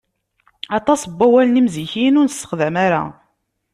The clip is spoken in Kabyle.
Aṭas n wawalen imzikiyen ur nessexdam ara.